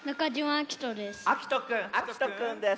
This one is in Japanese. あきとくんです。